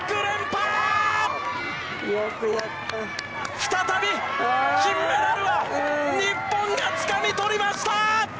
再び金メダルは日本がつかみとりました！